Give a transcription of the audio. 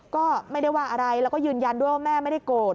ก็ไม่ได้ว่าอะไรแล้วก็ยืนยันด้วยว่าแม่ไม่ได้โกรธ